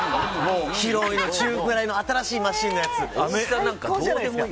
広いの、中くらいの新しいマシーンのやつ。